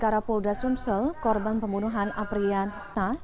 karapolda sumsel korban pembunuhan aprianta